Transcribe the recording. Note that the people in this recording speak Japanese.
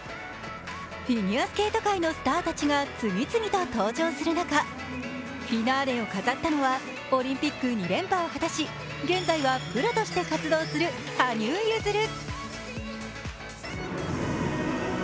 フィギュアスケート界のスターたちが次々と登場する中、フィナーレを飾ったのはオリンピック２連覇を果たし現在はプロとして活動する羽生結弦。